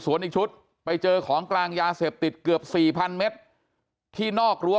ส่วนอีกชุดไปเจอของกลางยาเสพติดเกือบสี่พันเมตรที่นอกรั้ว